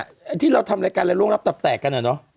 ไออีที่เราทำรายการเรียนร่วงรับตับแตกกันเนี่ยเนาะ